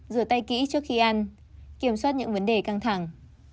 rửa tay kỹ trước khi ăn kiểm soát những vấn đề căng thẳng